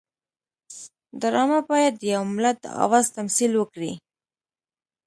ډرامه باید د یو ملت د آواز تمثیل وکړي